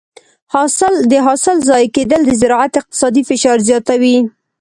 د حاصل ضایع کېدل د زراعت اقتصادي فشار زیاتوي.